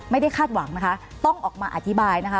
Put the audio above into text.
คาดหวังนะคะต้องออกมาอธิบายนะคะ